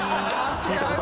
違う。